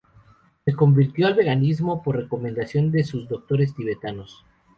Se convirtió al veganismo por recomendación de sus doctores tibetanos.